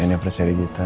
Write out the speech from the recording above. nfs seri kita